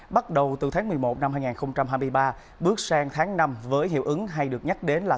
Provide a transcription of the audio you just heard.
bắt đầu từ tháng một mươi một năm hai nghìn hai mươi ba bước sang tháng năm với hiệu ứng hay được nhắc đến là